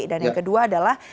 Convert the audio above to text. dan yang kedua adalah